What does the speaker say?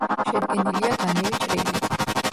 შედგენილია განივი ჭრილი.